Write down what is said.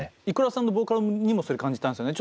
ｉｋｕｒａさんのボーカルにもそれ感じたんですよね。